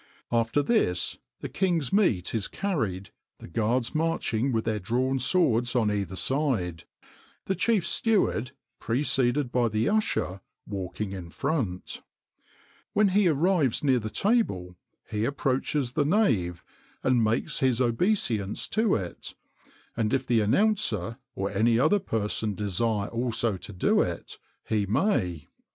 After this, the king's meat is carried, the guards marching with their drawn swords on either side; the chief steward, preceded by the usher, walking in front. When he arrives near the table, he approaches the nave, and makes his obeisance to it; and if the announcer, or any other person desire also to do it, he may.